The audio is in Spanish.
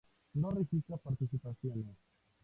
No registra participaciones.